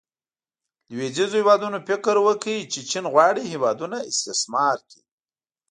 لویدیځو هیوادونو فکر وکړو چې چین غواړي هیوادونه استثمار کړي.